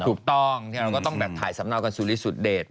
ถูกต้องเราก็ต้องแบบถ่ายสำเนากันสุริสุดเดช